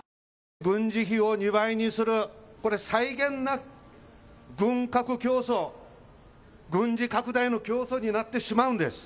軍事費を２倍にする、これ、際限なく軍拡競争、軍事拡大の競争になってしまうんです。